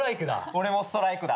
俺もストライクだ。